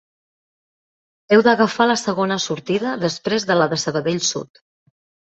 Heu d'agafar la segona sortida després de la de Sabadell Sud.